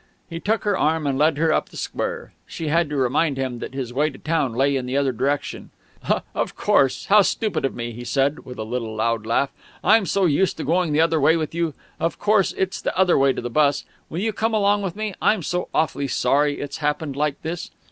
He took her arm and led her up the square. She had to remind him that his way to town lay in the other direction. "Of course how stupid of me!" he said, with a little loud laugh. "I'm so used to going the other way with you of course; it's the other way to the bus. Will you come along with me? I am so awfully sorry it's happened like this...."